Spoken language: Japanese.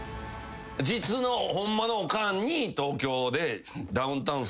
実のホンマのおかんに東京で。